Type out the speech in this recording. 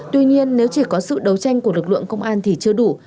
tuy nhiên nếu chỉ có sự đấu tranh của lực lượng công an thì chưa đủ